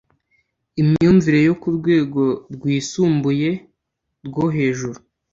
imyumvire yo ku rwego rwisumbuyerwo hejuru